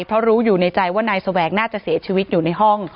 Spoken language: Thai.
เพราะรู้อยู่ในใจว่านายแสวงน่าจะเสียชีวิตอยู่ในห้อง